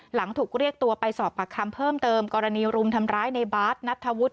หลังถูกเรียกตัวไปสอบปากคำเพิ่มเติมกรณีรุมทำร้ายในบาร์ดนัทธวุฒิ